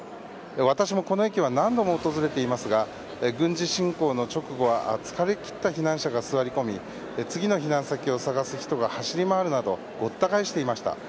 私もこの駅は何度も訪れていますが軍事侵攻の直後は疲れ切った避難者が座り込み次の避難先を探す人が走り回るなどごった返していました。